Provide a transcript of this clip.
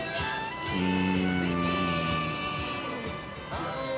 うん。